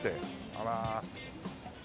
あら。